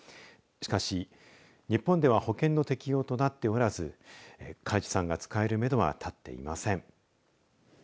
しかし日本では保険の適用となっておらず海智さんが使えるめどは立っていません。